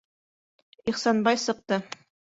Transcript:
Ихсанбай сыҡты.